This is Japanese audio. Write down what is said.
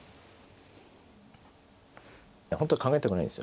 本当は考えたくないですよ。